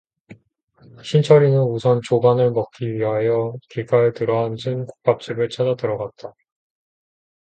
신철이는 우선 조반을 먹기 위하여 길가에 늘어앉은 국밥집을 찾아 들어갔다.